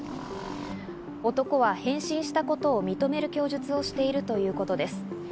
男は返信したことを認める供述をしているということです。